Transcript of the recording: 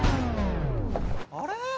あれ？